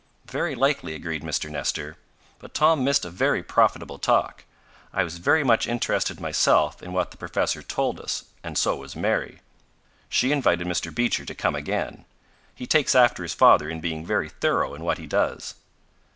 "Very likely," agreed Mr. Nestor. "But Tom missed a very profitable talk. I was very much interested myself in what the professor told us, and so was Mary. She invited Mr. Beecher to come again. He takes after his father in being very thorough in what he does.